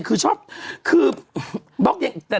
คือชอบคือบล็อกยัง